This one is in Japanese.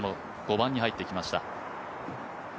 ５番に入ってきました。